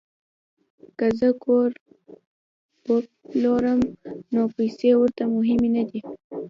که زه کور وپلورم نو پیسې ورته مهمې نه دي